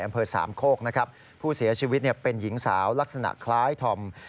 อำเภอสามโคกนะครับผู้เสียชีวิตเป็นหญิงสาวลักษณะคล้ายธอม